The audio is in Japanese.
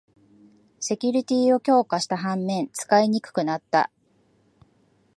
セキュリティーを強化した反面、使いにくくなった